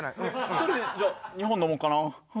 一人でじゃあ２本飲もっかな。